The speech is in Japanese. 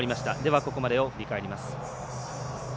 ここまでを振り返ります。